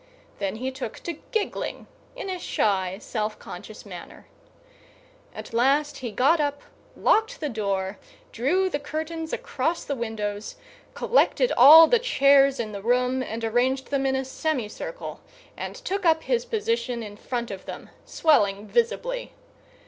Then he took to giggling in a shy, self conscious manner. At last he got up, locked the door, drew the curtains across the windows, collected all the chairs in the room and arranged them in a semicircle, and took up his position in front of them, swelling visibly.